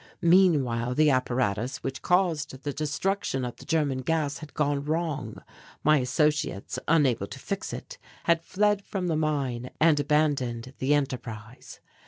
Meanwhile the apparatus which caused the destruction of the German gas had gone wrong. My associates, unable to fix it, had fled from the mine and abandoned the enterprise.